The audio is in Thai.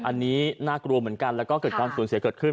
อันนี้น่ากลัวเหมือนกันแล้วก็เกิดความสูญเสียเกิดขึ้น